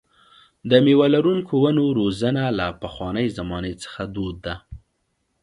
د مېوه لرونکو ونو روزنه له پخوانۍ زمانې څخه دود ده.